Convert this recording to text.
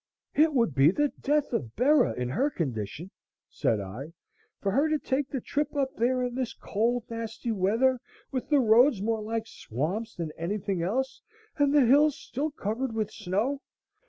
"It would be the death of Bera in her condition," said I, "for her to take the trip up there in this cold, nasty weather, with the roads more like swamps than anything else and the hills still covered with snow.